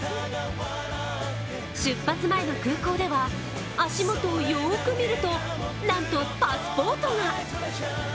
出発前の空港では、足元をよく見るとなんとパスポートが。